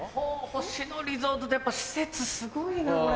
星野リゾートってやっぱ施設すごいなこれ。